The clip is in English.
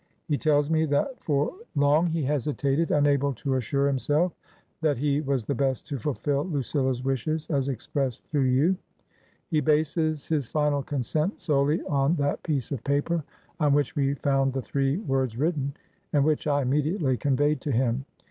He tells me that for long he hesitated, unable to assure himself that he was the best to fulfil Lucilla's wishes as expressed through you. He bases his final consent solely on that piece of paper on which we found the three words written, and which I immediately conveyed to him.